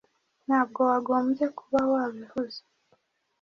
ntabwo wagombye kuba wabivuze